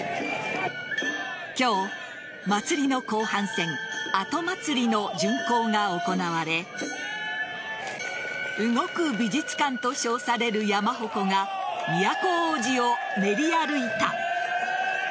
今日、祭りの後半戦後祭の巡行が行われ動く美術館と称される山鉾が都大路を練り歩いた。